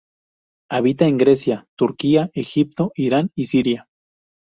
Habita en Grecia, Turquía, Egipto Irán y Siria.